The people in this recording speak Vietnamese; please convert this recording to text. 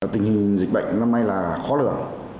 tình hình dịch bệnh năm nay là khó lửa